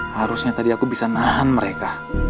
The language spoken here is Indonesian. harusnya tadi aku bisa nahan mereka